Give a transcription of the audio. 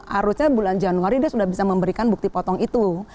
harusnya bulan januari dia sudah bisa memberikan bukti potong itu